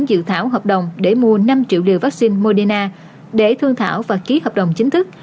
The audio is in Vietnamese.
dự thảo hợp đồng để mua năm triệu liều vaccine moderna để thương thảo và ký hợp đồng chính thức